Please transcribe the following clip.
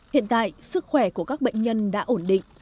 hiện tại sức khỏe của các bệnh nhân đã ổn định